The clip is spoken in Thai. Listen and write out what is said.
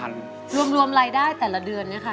รวมรายได้แต่ละเดือนเนี่ยค่ะ